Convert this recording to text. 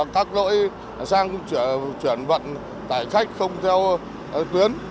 các nỗi sang chuyển vận tải khách không theo tuyến